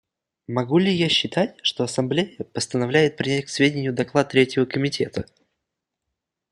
Могу ли я считать, что Ассамблея постановляет принять к сведению доклад Третьего комитета?